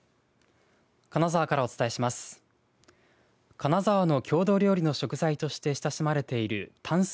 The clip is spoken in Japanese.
金沢からお伝えします。